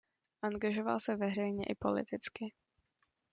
Angažoval se veřejně i politicky.